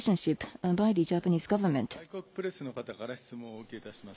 それでは次に、外国プレスの方から質問をお受けいたします。